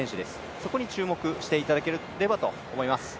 そこに注目していただければと思います。